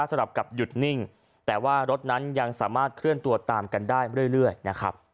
สำหรับกับหยุดนิ่งแต่ว่ารถนั้นยังสามารถเคลื่อนตัวตามกันได้เรื่อยนะครับ